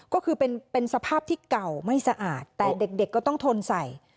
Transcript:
ก็คือเป็นสภาพที่เก่าไม่สะอาดแต่เด็กก็ต้องทนใส่